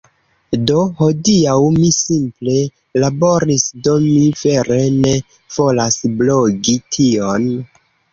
Do hodiaŭ, mi simple laboris, Do mi vere ne volas blogi tion...